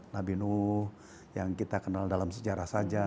nabi nuh yang kita kenal dalam sejarah saja